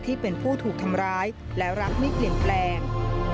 ที่เป็นผู้ถูกทำร้ายและรักไม่เปลี่ยนแปลง